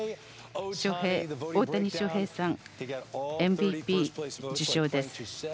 大谷翔平さん、ＭＶＰ受賞です。